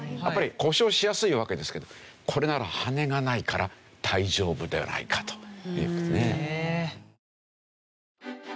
やっぱり故障しやすいわけですけどこれなら羽根がないから大丈夫ではないかと。